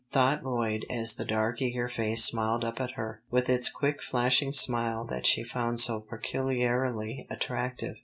thought Lloyd as the dark eager face smiled up at her, with its quick flashing smile that she found so peculiarly attractive.